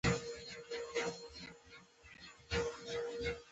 فکر مې وکړ چې ویې خوړلم